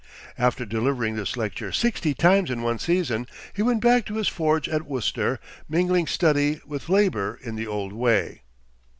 After delivering this lecture sixty times in one season, he went back to his forge at Worcester, mingling study with labor in the old way.